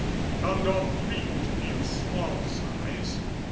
We found all three to be of small size.